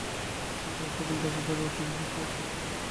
এই-সকল দেবতার অর্থ বিশেষ অবস্থা, বিশেষ পদ।